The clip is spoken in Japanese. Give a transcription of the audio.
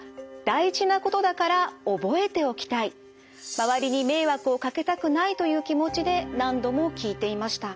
周りに迷惑をかけたくないという気持ちで何度も聞いていました。